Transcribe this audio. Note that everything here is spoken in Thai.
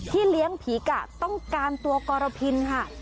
เลี้ยงผีกะต้องการตัวกรพินค่ะ